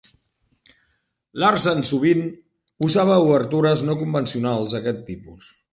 Larsen sovint usava obertures no convencionals d'aquest tipus.